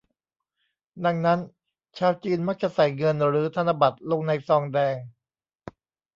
ดังนั้น ชาวจีนมักจะใส่เงิน หรือธนบัตรลงในซองแดง